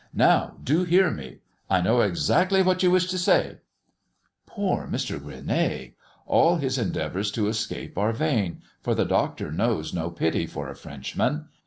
"Now do hear me," "I know exactly what you wish to say." Poor M. Gueronnay! All his endeavours to escape are vain, for the Doctor knows no pity for a Frenchman.